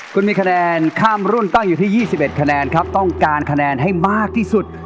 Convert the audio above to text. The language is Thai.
คุณมีคะแนนข้ามรุ่นตั้งอยู่ที่๒๑คะแนนครับต้องการคะแนนให้มากที่สุด